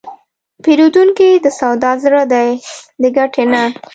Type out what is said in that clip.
پیرودونکی د سودا زړه دی، د ګټې نه.